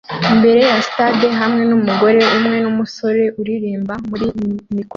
imbere ya stade hamwe numugore umwe numusore uririmba muri mikoro